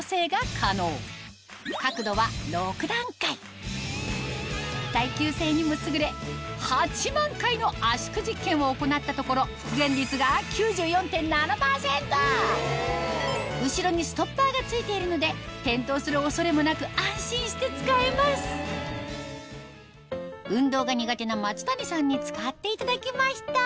こちら耐久性にも優れを行ったところ後ろにストッパーが付いているので転倒する恐れもなく安心して使えます運動が苦手な松谷さんに使っていただきました